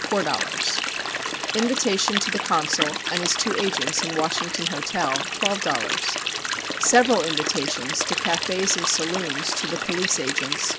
$ 4.00 Invitation to the Consul and his two agents in Washington hotel ........... $12.00 Several invitations to cafés and saloons to the Police Agents